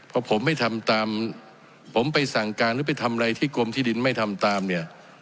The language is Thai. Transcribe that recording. เพราะผมไม่ทำตามผมไปสั่งการหรือไปทำอะไรที่กรมที่ดินไม่ทำตามเนี่ย